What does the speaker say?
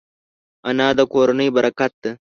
انا د کورنۍ برکت ده